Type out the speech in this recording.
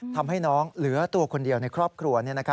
ทำให้น้องเหลือตัวคนเดียวในครอบครัว